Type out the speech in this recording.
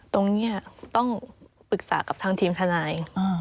ตรงนี้ต้องปรึกษากับทางทีมทนาย